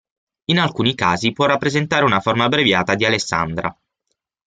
In alcuni casi può rappresentare una forma abbreviata di Alessandra.